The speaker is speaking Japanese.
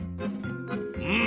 うん！